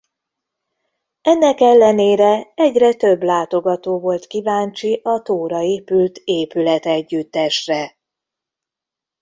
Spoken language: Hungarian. Ennek ellenére egyre több látogató volt kíváncsi a tóra épült épületegyüttesre.